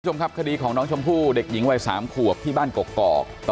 คุณผู้ชมครับคดีของน้องชมพู่เด็กหญิงวัย๓ขวบที่บ้านกอก